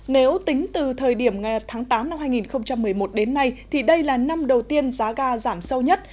nếu tính từ thời điểm tháng tám năm hai nghìn một mươi một đến nay thì đây là năm đầu tiên giá ga giảm sâu nhất